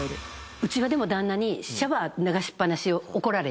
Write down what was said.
うちはでも旦那にシャワー流しっ放しを怒られて。